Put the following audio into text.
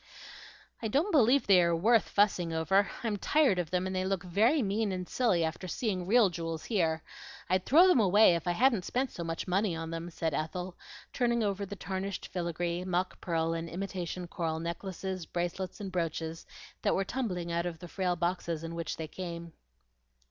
"I don't believe they are worth fussing over. I'm tired of them, and they look very mean and silly after seeing real jewels here. I'd throw them away if I hadn't spent so much money on them," said Ethel, turning over the tarnished filigree, mock pearl, and imitation coral necklaces, bracelets, and brooches that were tumbling out of the frail boxes in which they came.